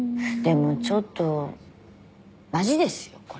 でもちょっとマジですよ